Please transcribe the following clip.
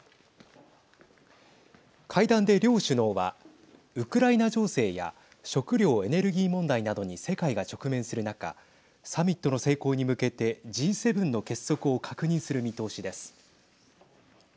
会談で両首脳はウクライナ情勢や食料・エネルギー問題などに世界が直面する中サミットの成功に向けてＧ７の結束を確認する見通しです。